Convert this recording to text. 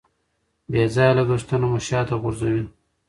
بې ځایه لګښتونه مو شاته غورځوي.